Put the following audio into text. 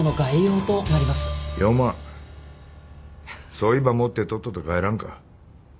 そいば持ってとっとと帰らんか。